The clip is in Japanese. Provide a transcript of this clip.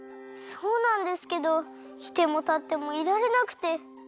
そうなんですけどいてもたってもいられなくて。